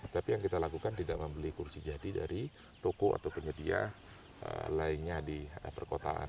tapi yang kita lakukan tidak membeli kursi jadi dari toko atau penyedia lainnya di perkotaan